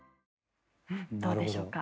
どうでしょうか。